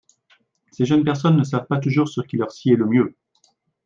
Ces jeunes personnes ne savent pas toujours ce qui leur sied le mieux.